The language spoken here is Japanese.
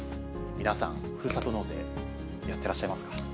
皆さん、ふるさと納税、やってらっしゃいますか。